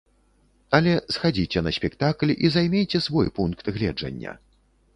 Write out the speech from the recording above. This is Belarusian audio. Але схадзіце на спектакль і займейце свой пункт гледжання.